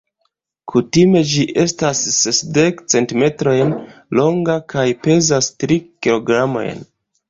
Kutime ĝi estas sesdek centimetrojn longa kaj pezas tri kilogramojn.